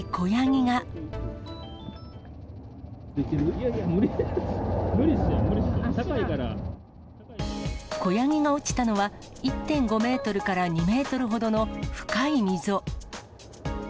いやいや、無理、無理っすよ、子ヤギが落ちたのは、１．５メートルから２メートルほどの深い溝。